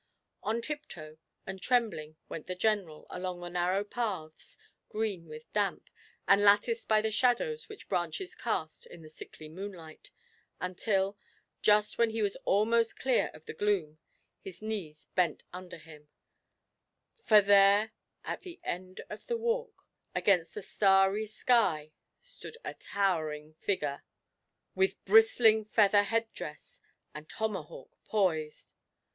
On tiptoe and trembling went the General along the narrow paths, green with damp, and latticed by the shadows which branches cast in the sickly moonlight, until just when he was almost clear of the gloom his knees bent under him; for there, at the end of the walk, against the starry sky, stood a towering figure, with bristling feather head dress, and tomahawk poised.